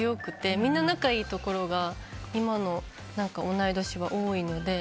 みんな仲いいところが今の同い年は多いので。